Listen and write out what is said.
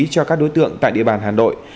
cho các đối tượng tại địa bàn hà nội